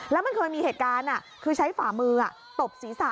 แล้วมันเคยมีเหตุการณ์คือใช้ฝ่ามือตบศีรษะ